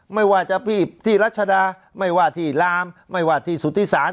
ไม่ว่าจะพี่รัชดาไม่ว่าที่ลามไม่ว่าที่สุธิศาล